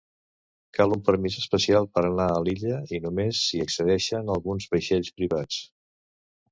Cal un permís especial per anar a l'illa i només hi accedeixen alguns vaixells privats.